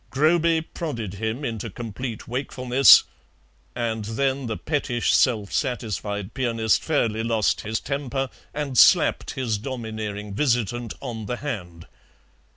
Groby prodded him into complete wakefulness, and then the pettish self satisfied pianist fairly lost his temper and slapped his domineering visitant on the hand.